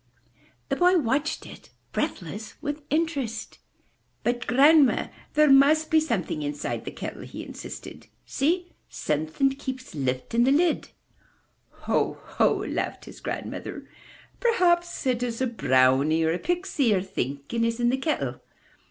The boy watched it, breathless with interest. ''But, Grandma, there must be something inside the kettle, he insisted. ''See! Something keeps lifting the lid! "Ho, Ho! laughed his grandmother. "Perhaps it's a brownie or a pixie you*re thinking is in the kettle!